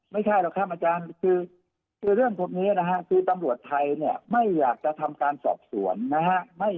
อ๋อไม่ใช่หรอกครับอาจารย์คือคือเรื่องพวกเนี้ยนะฮะ